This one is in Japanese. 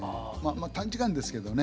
短時間ですけどね。